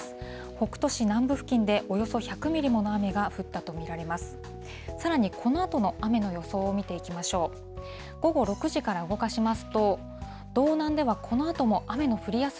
北斗市南部付近でおよそ１００ミリもの雨が降ったと見られます。